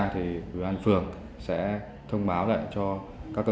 thì ủy ban phường sẽ thông báo lại cho các cơ sở